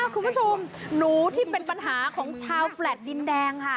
คุณผู้ชมหนูที่เป็นปัญหาของชาวแฟลต์ดินแดงค่ะ